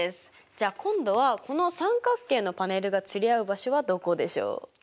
じゃあ今度はこの三角形のパネルが釣り合う場所はどこでしょう？